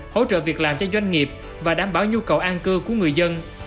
hỗ trợ việc làm cho doanh nghiệp và đảm bảo nhu cầu an cư của người dân